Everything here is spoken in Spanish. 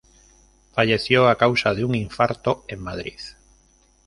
Falleció a causa de un infarto, en Madrid.